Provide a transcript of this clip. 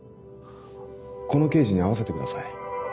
この刑事に会わせてください。